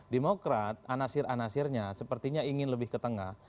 demokrat anasir anasirnya sepertinya ingin lebih ke tengah